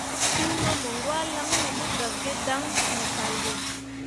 Fîi mamǝŋgwãalaŋne mo gah gi dan me kal ɓe.